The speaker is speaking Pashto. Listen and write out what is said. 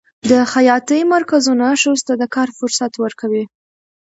د خیاطۍ مرکزونه ښځو ته د کار فرصت ورکوي.